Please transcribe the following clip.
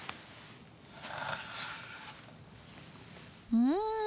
うん！